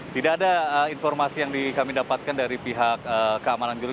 tidak ada informasi yang kami dapatkan dari pihak keamanan gedung